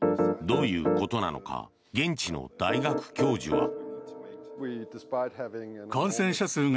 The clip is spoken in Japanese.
どういうことなのか現地の大学教授は。